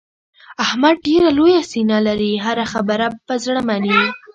احمد ډېره لویه سینه لري. هره خبره په زړه مني.